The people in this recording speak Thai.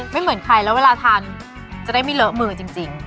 เหมือนใครแล้วเวลาทานจะได้ไม่เลอะมือจริง